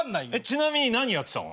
ちなみに何やってたの？